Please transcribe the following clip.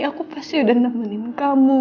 aku pasti udah nemenin kamu